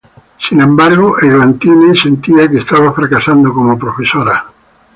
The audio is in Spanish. Sin embargo, Eglantyne sentía que estaba fracasando como profesora.